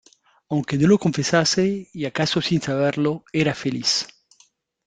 aunque no lo confesase, y acaso sin saberlo , era feliz